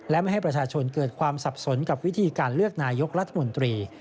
และไม่ให้ประชาชนเกิดความสับสนกับวิธีการเลือกนายกรัฐมนตรี